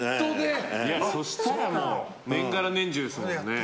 そしたら、年がら年中ですよね。